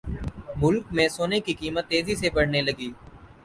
ملک میں سونے کی قیمت تیزی سے بڑھنے لگی